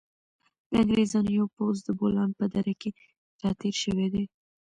د انګریزانو یو پوځ د بولان په دره کې را تېر شوی دی.